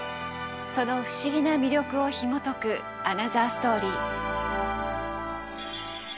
その不思議な魅力をひもとくアナザーストーリー。